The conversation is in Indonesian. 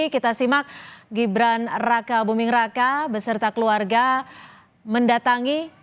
kita simak gibran raka buming raka beserta keluarga mendatangi